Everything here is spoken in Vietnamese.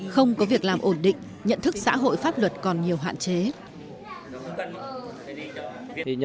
không có việc làm ổn định nhận thức xã hội pháp luật còn nhiều hạn chế